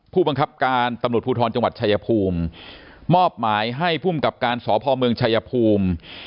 ผู้บังคับการตำรวจภูทรจังหวัดชายภูมิมอบหมายให้ภูมิกับการสพเมืองชายภูมิ